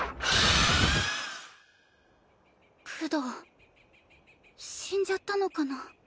クドー死んじゃったのかな